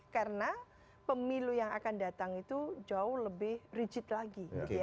karena pemilu yang akan datang itu jauh lebih rigid lagi